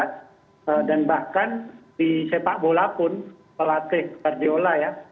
itu berat dan bahkan di sepak bola pun pelatih kardiola ya